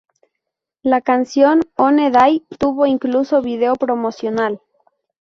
La canción One Day tuvo incluso vídeo promocional.